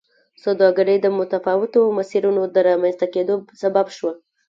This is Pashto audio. سوداګري د متفاوتو مسیرونو د رامنځته کېدو سبب شوه.